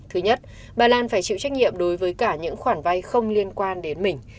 thứ nhất bà lan phải chịu trách nhiệm đối với cả những khoản vay không liên quan đến mình